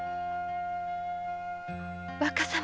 若様。